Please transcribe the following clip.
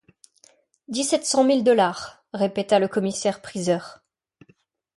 Dix-sept cent mille dollars! répéta le commissaire-priseur.